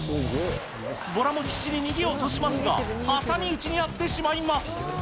ボラも必死に逃げようとしますが、挟み撃ちに遭ってしまいます。